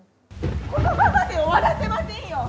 このままで終わらせませんよ。